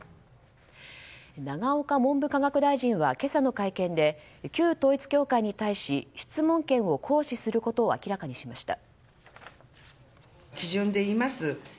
永岡文部科学大臣は今朝の会見で旧統一教会に対し質問権を行使することを明らかにしました。